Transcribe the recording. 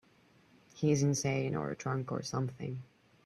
He's insane or drunk or something.